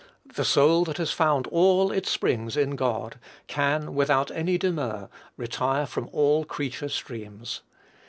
The soul that has found all its springs in God, can, without any demur, retire from all creature streams.